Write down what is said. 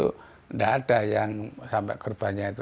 tidak ada yang sampai berbanyak